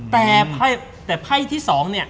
แต่ไฟ่ที่๒